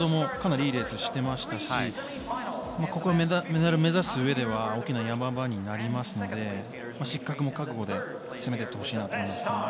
かなりいいレースをしていましたしメダルを目指す上では大きな山場になりますので失格も覚悟で攻めていってほしいと思います。